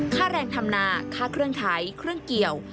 ค่าแรงธรรมนาค่าเครื่องไทยเครื่องเกี่ยว